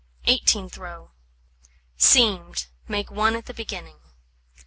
Eighteenth row: Seamed, make 1 at the beginning.